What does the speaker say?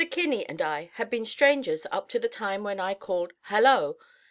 Kinney and I had been strangers up to the time when I called "Hallo!"